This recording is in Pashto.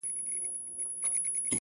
• دى بېواكه وو كاڼه يې وه غوږونه,